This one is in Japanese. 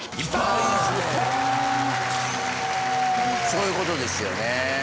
そういうことですよね。